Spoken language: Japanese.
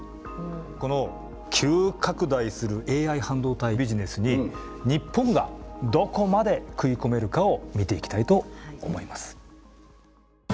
この急拡大するＡＩ半導体ビジネスに日本がどこまで食い込めるかを見ていきたいと思います。